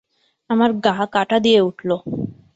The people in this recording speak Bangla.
আমার গা কাঁটা দিয়ে উঠল।